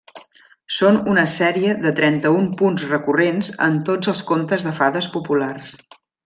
Són una sèrie de trenta-un punts recurrents en tots els contes de fades populars.